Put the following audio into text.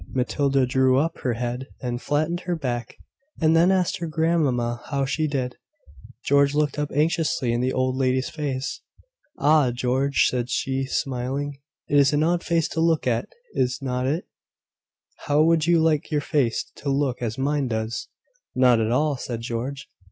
Matilda drew up her head and flattened her back, and then asked her grandmamma how she did. George looked up anxiously in the old lady's face. "Ah, George," said she, smiling; "it is an odd face to look at, is not it? How would you like your face to look as mine does?" "Not at all," said George.